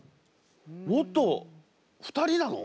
もっと２人なの？